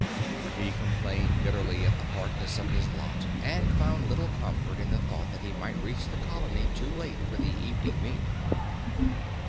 He complained bitterly at the hardness of his lot and found little comfort in the thought that he might reach the Colony too late for the evening meal.